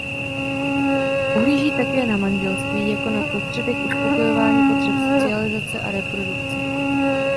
Pohlíží také na manželství jako na prostředek uspokojování potřeb socializace a reprodukce.